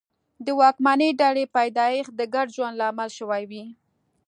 د واکمنې ډلې پیدایښت د ګډ ژوند لامل شوي وي.